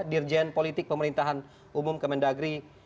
dirjen politik pemerintahan umum kemendagri